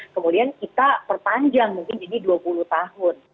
kemudian kita perpanjang mungkin jadi dua puluh tahun